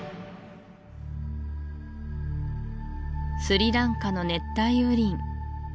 スリランカの熱帯雨林